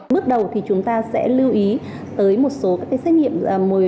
mức đầu thì chúng ta sẽ lưu ý tới một số các cái xét nghiệm